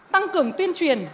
tăng cường tuyên truyền